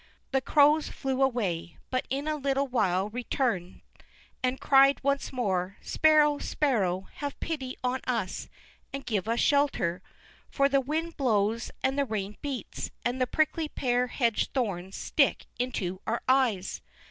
The Crows flew away, but in a little while returned, and cried once more: "Sparrow, Sparrow, have pity on us and give us shelter, for the wind blows and the rain beats, and the prickly pear hedge thorns stick into our eyes."